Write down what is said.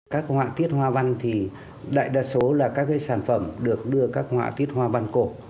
các họa tiết hoa văn thì đại đa số là các sản phẩm được đưa các họa tiết hoa văn cổ